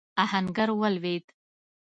آهنګر ولوېد.